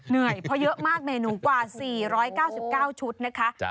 เหนื่อยเพราะเยอะมากเมนูกว่า๔๙๙ชุดนะคะ